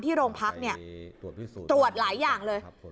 โรงพักเนี่ยตรวจหลายอย่างเลย